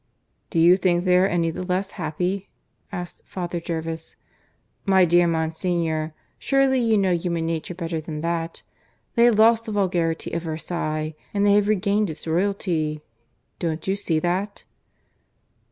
"Do you think they are any the less happy?" asked Father Jervis. "My dear Monsignor, surely you know human nature better than that! They have lost the vulgarity of Versailles, and they have regained its royalty. Don't you see that?"